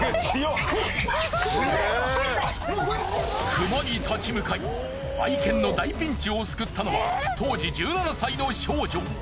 熊に立ち向かい愛犬の大ピンチを救ったのは当時１７歳の少女。